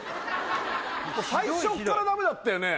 最初っからダメだったよね？